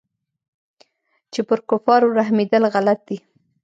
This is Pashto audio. چې پر كفارو رحمېدل غلط دي.